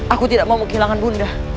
aku tidak mau kehilangan bunda